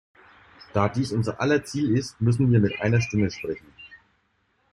Da dies unser aller Ziel ist, müssen wir mit einer Stimme sprechen.